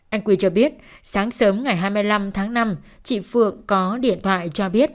anh quy cho biết sáng sớm ngày hai mươi năm tháng năm chị phượng có điện thoại cho biết